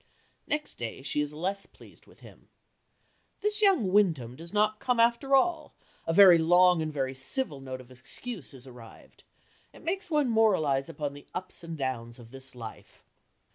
Next day she is less pleased with him "This young Wyndham does not come after all; a very long and very civil note of excuse is arrived. It makes one moralize upon the ups and downs of this life."